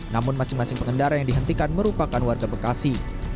namun masing masing pengendara yang dihentikan merupakan warga bekasi